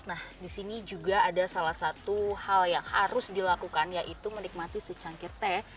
nah di sini juga ada salah satu hal yang harus dilakukan yaitu menikmati secangkir teh